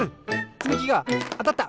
つみきがあたった！